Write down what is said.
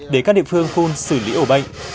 để các địa phương khuôn xử lý ổ bệnh